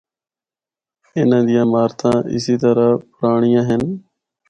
اِنّاں دیاں عمارتاں اسی طرح پرانڑیاں ہن۔